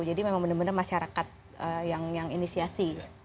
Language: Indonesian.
jadi memang benar benar masyarakat yang inisiasi